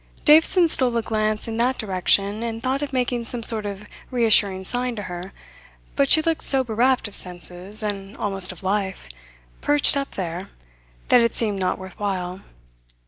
Davidson stole a glance in that direction and thought of making some sort of reassuring sign to her, but she looked so bereft of senses, and almost of life, perched up there, that it seemed not worth while.